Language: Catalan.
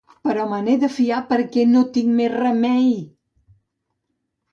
Però me n’he de fiar perquè no tinc més remei!